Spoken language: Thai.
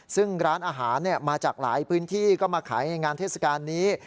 ซึ่งร้านอาหารมาจากหลายพื้นที่ก็มาขายในงานเทศกาลนี้